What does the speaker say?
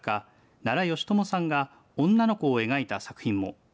奈良美智さんが女の子を描いた作品も。